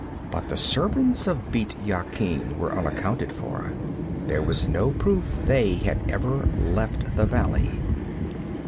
But the servants of Bît Yakin were unaccounted for. There was no proof they had ever left the valley.